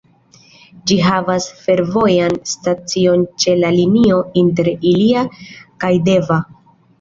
Ĝi havas fervojan stacion ĉe la linio inter Ilia kaj Deva.